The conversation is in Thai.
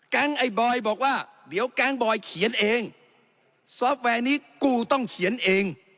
ไอ้บอยบอกว่าเดี๋ยวแก๊งบอยเขียนเองซอฟต์แวร์นี้กูต้องเขียนเอง